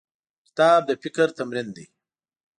کتاب د فکر تمرین دی.